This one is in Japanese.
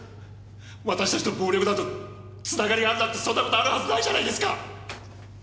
私たちと暴力団のつながりがあるなんてそんな事あるはずないじゃないですか！